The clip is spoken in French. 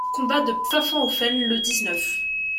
Combat de Pfaffenhoffen, le dix-neuf.